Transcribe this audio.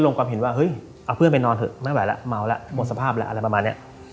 ง่วงสภาพอะไรประมาณนี้